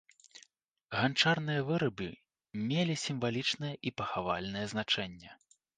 Ганчарныя вырабы мелі сімвалічнае і пахавальнае значэнне.